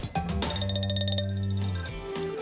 สร้างน้ำตรงพัก